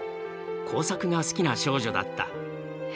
工作が好きな少女だった。